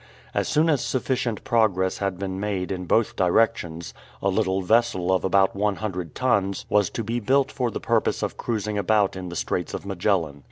As soon as sufficient progress had been made in both directions, a little vessel of about one hundred tons was to be built for the purpose of cruising about in the Straits of Magellan.